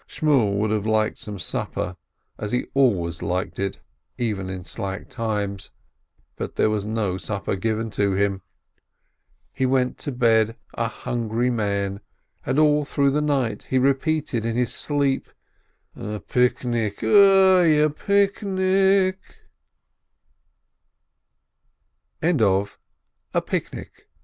Shmuel would have liked some supper, as he always liked it, even in slack times, but there was no supper given him. He went to bed a hungry man, and all through the night he repeated in his sleep : "A picnic, oi, a picnic!"